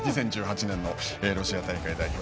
２０１８年のロシア大会代表